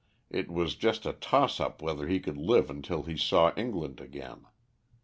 It was just a toss up whether he could live until he saw England again.